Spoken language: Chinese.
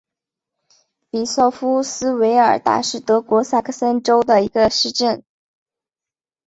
比绍夫斯韦尔达是德国萨克森州的一个市镇。